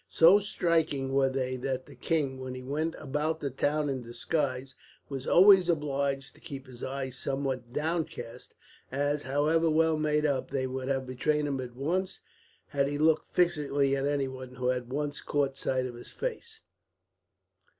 So striking were they that the king, when he went about the town in disguise, was always obliged to keep his eyes somewhat downcast; as, however well made up, they would have betrayed him at once, had he looked fixedly at anyone who had once caught sight of his face.